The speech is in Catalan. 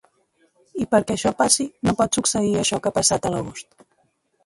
I perquè això passi no pot succeir això que ha passat a l’agost.